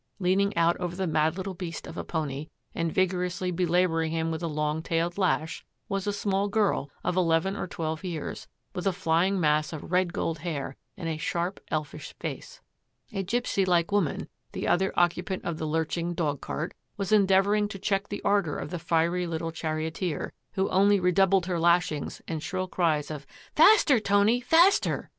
Leaning out over the mad little beast of a pony and vigorously belabouring him with a long tailed lash was a small girl of eleven or twelve years, with a flying mass of red gold hair and a sharp, elfish face. A gipsy like woman, the other occupant of the lurching dog cart, was endeavouring to check the ardour of the fiery little charioteer, who only re doubled her lashings and shrill cries of, " Faster, Tony, faster !